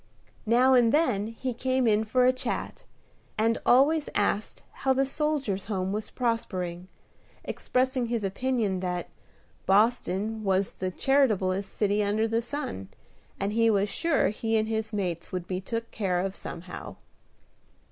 Now and then he came in for a chat, and always asked how the Soldiers' Home was prospering; expressing his opinion that "Boston was the charitablest city under the sun, and he was sure he and his mates would be took care of somehow."